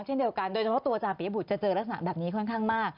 เช่นเดียวกันโดยเฉพาะตัวอาจารย์ปียบุตรจะเจอลักษณะแบบนี้ค่อนข้างมาก